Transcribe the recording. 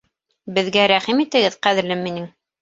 Беҙгә рәхим итегеҙ, ҡәҙерлем минең!